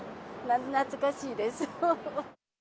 懐かしいです。